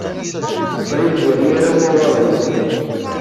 Ur yeddi ara umawaɣ-nni.